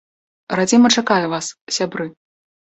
Радзіма чакае вас, сябры.